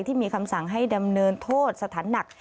ที่มีคำสั่งให้ดำเนินโทษสถานหนัก